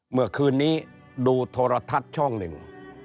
เมื่อคืนนี้ดูโทรทัศน์ช่องหนึ่ง